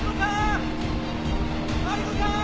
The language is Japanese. マリコさん！